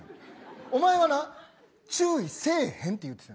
おまえはな注意せえへんって言ってた。